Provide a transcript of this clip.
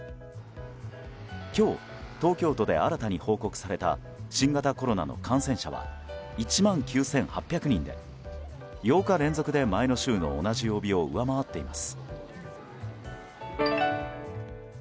今日、東京都で新たに報告された新型コロナの感染者は１万９８００人で８日連続で前の週の同じ曜日を上回っています。